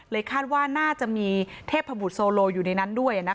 เลยคาดว่าน่าจะมีเทพบุษโซโลอยู่ในนั้นด้วยอ่ะนะคะ